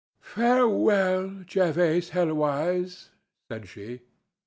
"Farewell, Jervase Helwyse!" said she.